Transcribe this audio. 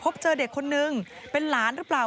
เจอเด็กคนนึงเป็นหลานหรือเปล่า